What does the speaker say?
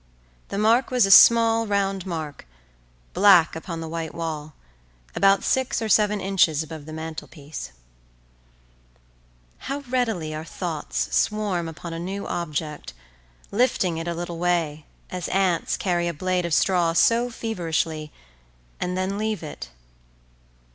The mark was a small round mark, black upon the white wall, about six or seven inches above the mantelpiece. How readily our thoughts swarm upon a new object, lifting it a little way, as ants carry a blade of straw so feverishly, and then leave it.